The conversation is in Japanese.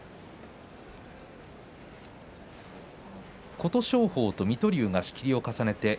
琴勝峰と水戸龍が仕切りを重ねています。